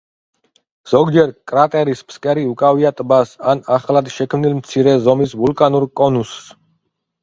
ზოგჯერ კრატერის ფსკერი უკავია ტბას ან ახლად შექმნილ მცირე ზომის ვულკანურ კონუსს.